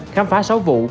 khám phá sáu vụ